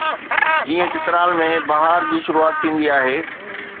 جيئن چترال ۾ بهار جي شروعات ٿيندي آهي